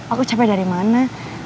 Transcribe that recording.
aku capek dari mana